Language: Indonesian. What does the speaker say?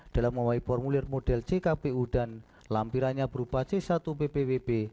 dalam membawai formulir model jkpu dan lampirannya berupa c satu ppwp